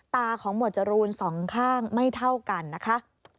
ตาของหมวดจรูนสองข้างไม่เท่ากันนะคะ